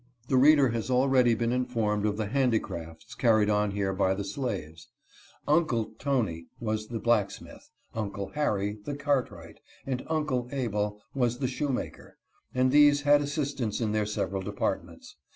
The reader has already been informed of the handi crafts carried on here by the slaves. " Uncle " Toney was the blacksmith, " Uncle " Harry the cartwright, and " Uncle " Abel was the shoemaker, and these had assist ants in their several departments.